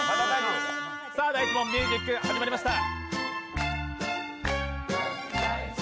第１問、ミュージック始まりました。